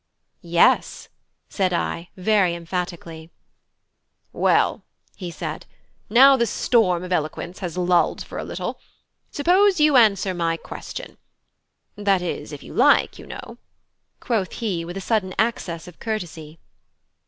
"Yes," said I, very emphatically. "Well," said he, "now the storm of eloquence has lulled for a little, suppose you answer my question? that is, if you like, you know," quoth he, with a sudden access of courtesy.